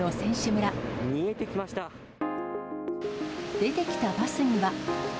出てきたバスには。